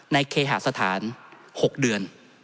เคหาสถาน๖เดือน